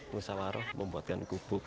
musawaroh membuatkan gubuk